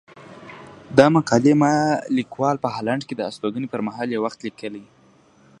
دا مقالې ما ليکوال په هالنډ کې د استوګنې پر مهال يو وخت ليکلي.